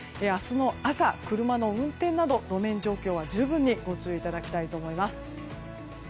明日の朝、車の運転など路面状況は十分ご注意いただきたいと思います。